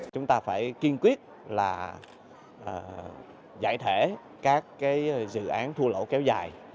chúng ta phải kiên quyết là giải thể các dự án thua lỗ kéo dài